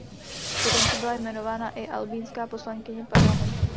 Dokonce byla jmenována i albínská poslankyně parlamentu.